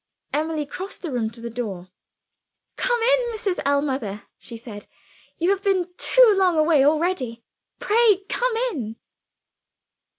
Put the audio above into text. Emily crossed the room to the door. "Come in, Mrs. Ellmother," she said. "You have been too long away already. Pray come in."